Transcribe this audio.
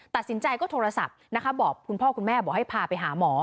ตัดสินใจก็โทรศัพท์นะคะบอกคุณพ่อคุณแม่บอกให้พาไปหาหมอ